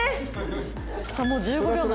さあもう１５秒前。